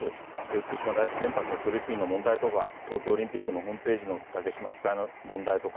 福島第一原発の処理水の問題とか、東京オリンピックのホームページの竹島記載の問題とか。